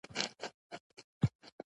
خلک په مېلو کښي اتڼونه کوي.